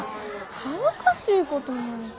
恥ずかしいことないて。